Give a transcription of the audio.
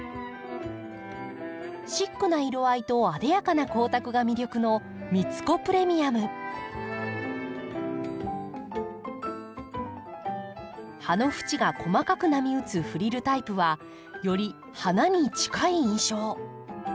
シックな色合いとあでやかな光沢が魅力の葉の縁が細かく波打つフリルタイプはより花に近い印象。